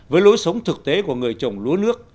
với lối sống thực tế của người trồng lúa nước